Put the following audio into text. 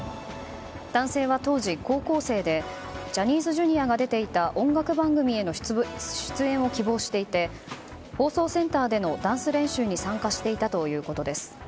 男性は当時、高校生でジャニーズＪｒ．が出ていた音楽番組への出演を希望していて放送センターでのダンス練習に参加していたということです。